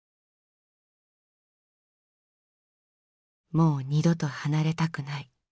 「もう二度とはなれたくない。